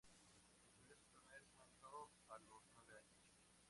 Escribió su primer cuento a los nueve años.